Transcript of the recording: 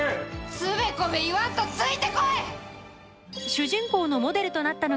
つべこべ言わんとついて来い！